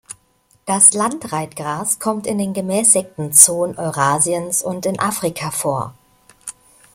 Das Land-Reitgras kommt in den gemäßigten Zonen Eurasiens und in Afrika vor.